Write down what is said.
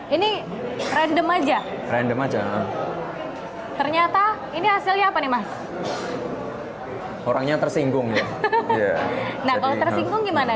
ini random aja random aja ternyata ini hasilnya apa nih mas orangnya tersinggung nah kalau tersinggung gimana